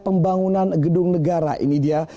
pembangunan gedung negara ini dia